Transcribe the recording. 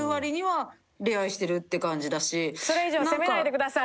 それ以上責めないでください。